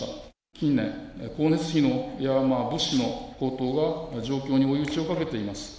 近年、光熱費や物資の高騰が状況に追い打ちをかけています。